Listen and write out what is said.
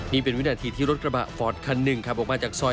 นี่เป็นวินาทีที่รถกระบะฟอร์ดคันหนึ่งขับออกมาจากซอย